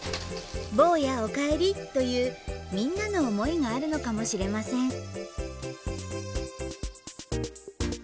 「坊やお帰り」というみんなの思いがあるのかもしれません。